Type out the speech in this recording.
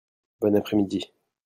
Bon après-midi.